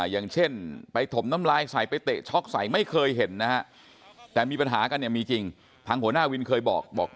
อย่างเช่นไปถมน้ำลายใส่ไปเตะช็อกใส่ไม่เคยเห็นนะครับ